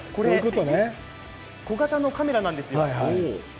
小型のカメラなんです。